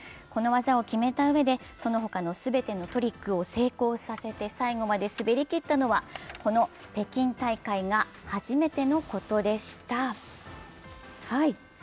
この技を決めたうえで、そのほかの全てのトリックを成功させて、最後まで滑りきったのは、この北京大会が始めてのことでした。